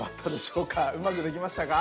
うまくできましたか？